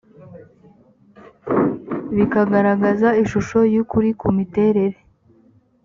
bikagaragaza ishusho y ukuri ku miterere